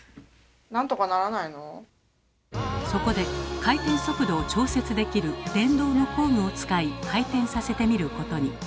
そこで回転速度を調節できる電動の工具を使い回転させてみることに。